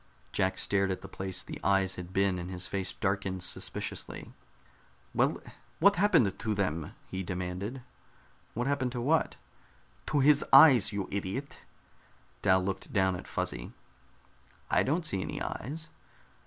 Jack stared at the place the eyes had been, and his face darkened suspiciously. "Well, what happened to them?" he demanded. "What happened to what?" "To his eyes, you idiot!" Dal looked down at Fuzzy. "I don't see any eyes."